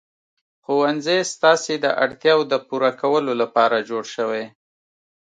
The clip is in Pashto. ښوونځی ستاسې د اړتیاوو د پوره کولو لپاره جوړ شوی.